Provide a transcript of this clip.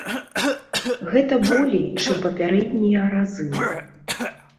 Гэта болей, чым папярэднія разы.